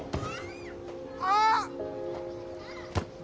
・あっ！